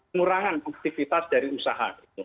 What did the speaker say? penurangan aktivitas dari usaha